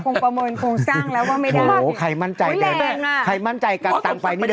เบลล่าเบลล่าเบลล่า